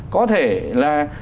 có thể là